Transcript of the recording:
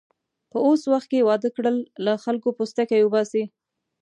په اوس وخت کې واده کړل، له خلکو پوستکی اوباسي.